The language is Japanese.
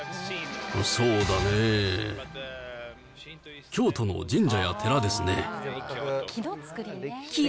そうだねぇ、京都の神社や寺ですね。